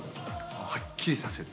はっきりさせる。